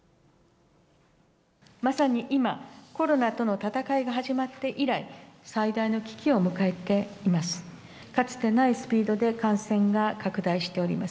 まさに今、コロナとの闘いが始まって以来、最大の危機を迎えています。